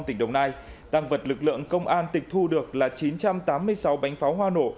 tỉnh đồng nai tăng vật lực lượng công an tịch thu được là chín trăm tám mươi sáu bánh pháo hoa nổ